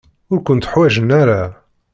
Ur kent-ḥwajen ara.